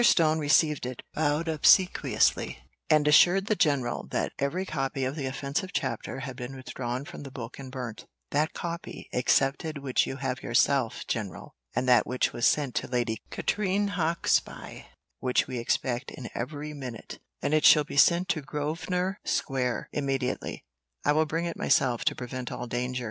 Stone received it, bowed obsequiously, and assured the general that every copy of the offensive chapter had been withdrawn from the book and burnt "that copy excepted which you have yourself, general, and that which was sent to Lady Katrine Hawksby, which we expect in every minute, and it shall be sent to Grosvenor Square immediately. I will bring it myself, to prevent all danger."